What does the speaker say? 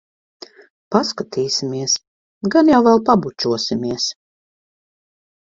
Paskatīsimies. Gan jau vēl pabučosimies.